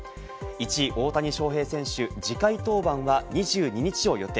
１位、大谷翔平選手、次回登板は２２日を予定。